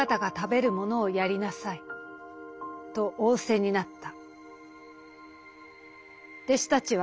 「と仰せになった」。